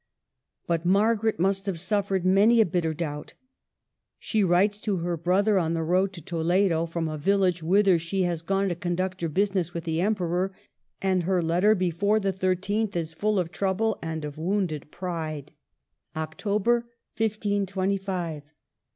But Margaret must have suffered many a bitter doubt. She writes to her brother on the road to Toledo, from a village whither she has gone to conduct her business with the Emperor ; and her letter (before the 13th) is full of trouble and of wounded pride :— THE CAPTIVITY. 99 October, 1525.